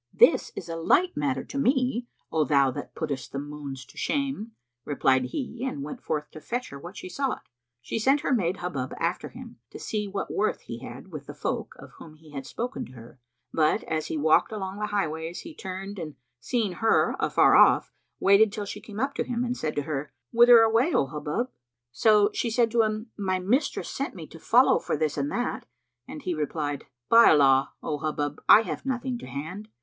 "This is a light matter to me, O thou that puttest the moons to shame," replied he and went forth to fetch her what she sought. She sent her maid Hubub after him, to see what worth he had with the folk of whom he had spoken to her; but, as he walked along the highways he turned and seeing her afar off, waited till she came up to him and said to her, "Whither away, O Hubub?" So she said to him, "My mistress sent me to follow for this and that," and he replied, "By Allah, O Hubub, I have nothing to hand!"